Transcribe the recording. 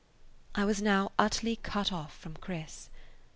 I was now utterly cut off from Chris.